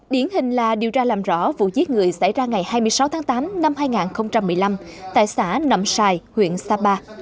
điển hình là điều tra làm rõ vụ giết người xảy ra ngày hai mươi sáu tháng tám năm hai nghìn một mươi năm tại xã nậm sài huyện sapa